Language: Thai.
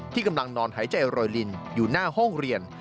กำลังนอนหายใจโรยลินอยู่หน้าห้องเรียน